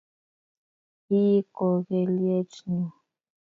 Ihii kokelyet nyuu